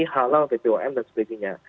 halal bpm dan sebagainya